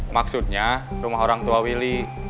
maksudnya rumah orang tua willy